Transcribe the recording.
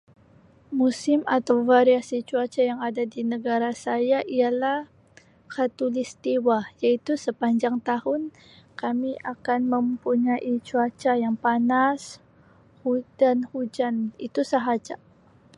Musim atau variasi cuaca yang ada di negara saya ialah Khatulistiwa iaitu sepanjang tahun kami akan mempunyai cuaca yang panas dan hujan itu sahaja.